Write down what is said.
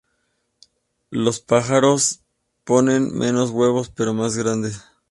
Los pájaros ponen menos huevos pero más grandes.